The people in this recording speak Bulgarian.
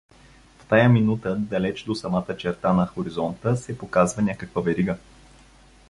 В тая минута, далеч до самата черта на хоризонта, се показва някаква верига.